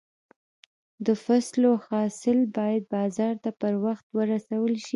د فصلو حاصل باید بازار ته پر وخت ورسول شي.